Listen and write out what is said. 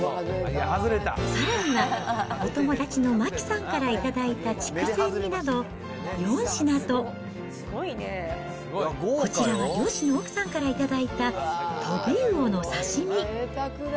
さらには、お友達のマキさんから頂いた筑前煮など、４品と、こちらは漁師の奥さんから頂いたトビウオの刺身。